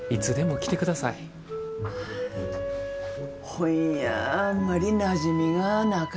本やあんまりなじみがなかね。